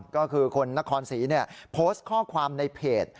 ก็คือคนนครศรีโพสต์ข้อความในเพจ